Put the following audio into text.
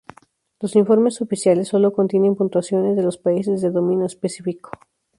Los informes oficiales sólo contienen puntuaciones de los países de dominio específico.